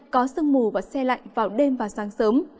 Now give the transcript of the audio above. có sương mù và xe lạnh vào đêm và sáng sớm